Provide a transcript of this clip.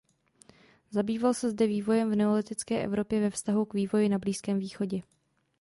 Zabýval se zde vývojem v neolitické Evropě ve vztahu k vývoji na blízkém Východě.